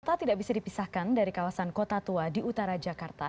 kota tidak bisa dipisahkan dari kawasan kota tua di utara jakarta